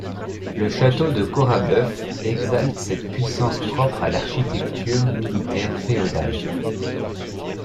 Le château de Corabœuf exalte cette puissance propre à l'architecture militaire féodale.